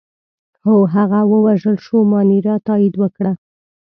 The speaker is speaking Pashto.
هو، هغه ووژل شو، مانیرا تایید وکړه.